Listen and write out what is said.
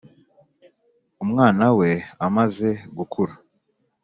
umwana we amaze gukura